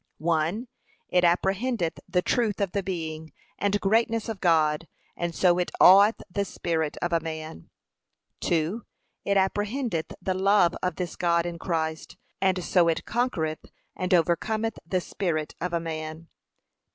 (l.) It apprehendeth the truth of the being and greatness of God, and so it aweth the spirit of a man. (2.) It apprehendeth the love of this God in Christ, and so it conquereth and overcometh the spirit of a man.